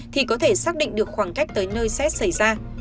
thì có thể xác định được khoảng cách tới nơi rét xảy ra